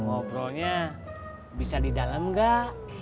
ngobrolnya bisa di dalam nggak